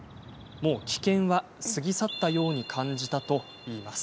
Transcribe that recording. もう危険は過ぎ去ったように感じたといいます。